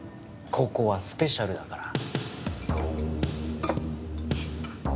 ここはスペシャルだから。